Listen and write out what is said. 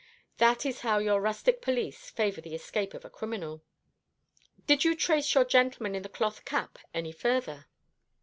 That is how your rustic police favour the escape of a criminal." "Did you trace your gentleman in the cloth cap any further?"